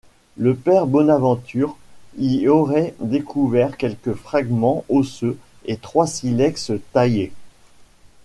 Le père Bonaventure y aurait découvert quelques fragments osseux et trois silex taillés.